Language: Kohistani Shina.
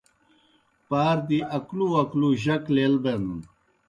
پار دی اکلُو اکلُو جک لیل بینَن۔